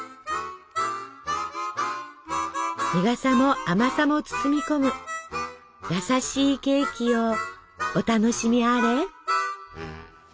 苦さも甘さも包み込む優しいケーキをお楽しみあれ。